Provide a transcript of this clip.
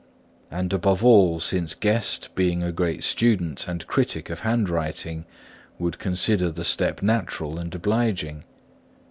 and above all since Guest, being a great student and critic of handwriting, would consider the step natural and obliging?